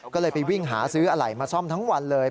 ก็เลยไปวิ่งหาซื้ออะไหล่มาซ่อมทั้งวันเลย